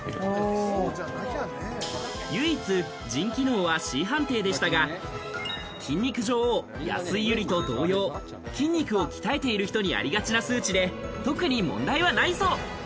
唯一、腎機能はＣ判定でしたが、筋肉女王・安井友梨と同様、筋肉を鍛えている人にありがちな数値で、特に問題はないそう。